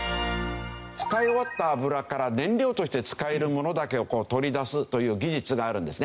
使い終わった油から燃料として使えるものだけを取り出すという技術があるんですね。